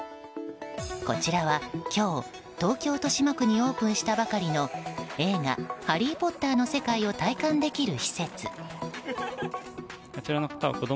こちらは今日、東京・豊島区にオープンしたばかりの映画「ハリー・ポッター」の世界を体感できる施設。